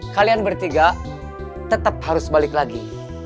kalian bertiga tetap harus balik lagi